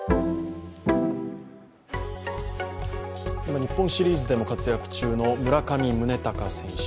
今、日本シリーズでも活躍中の村上宗隆選手。